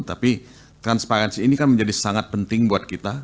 tapi transparansi ini kan menjadi sangat penting buat kita